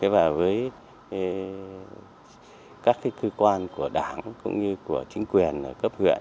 với các cơ quan của đảng cũng như của chính quyền cấp huyện